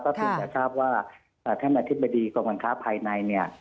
เพราะผมจะทราบว่าท่านอธิบดีกรมการค้าภายใน